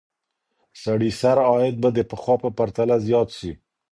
سړي سر عاید به د پخوا په پرتله زیات سي.